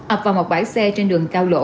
ấp vào một bãi xe trên đường cao lỗ